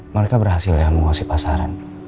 mereka berhasil ya menguasai pasaran